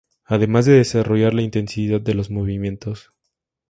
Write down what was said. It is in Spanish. Además de desarrollar la intensidad de los movimientos.